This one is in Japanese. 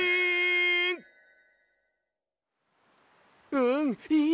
うんいい！